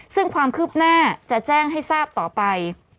ซึ่งความคืบหน้าจะแจ้งให้ทราบต่อไป